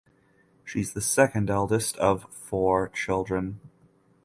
She’s the second eldest of four children.